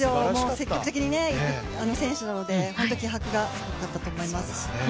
積極的にいく選手なので本当に気迫がすごかったと思います。